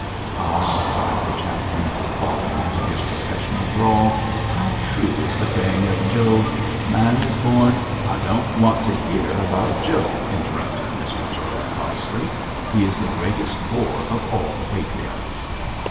'Ah!' sighed the chaplain, falling into his professional drawl, 'how true is the saying of Job, "Man is born "' 'I don't want to hear about Job,' interrupted Miss Whichello, crossly. 'He is the greatest bore of all the patriarchs.'